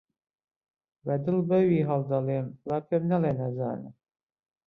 بە دڵ بە وی هەڵدەڵێم با پێم نەڵێ نەزانە